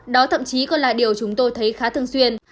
đó thậm chí còn là điều chúng tôi thấy khá thường xuyên